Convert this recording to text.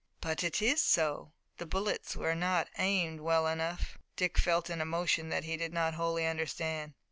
"But it is so. The bullets were not aimed well enough." Dick felt an emotion that he did not wholly understand.